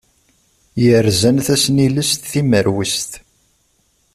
Yerzan tasnilest timerwest.